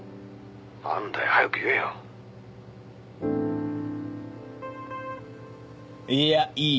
「なんだよ？早く言えよ」いやいい。